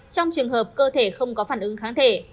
trong trường hợp cơ thể không có phản ứng kháng thể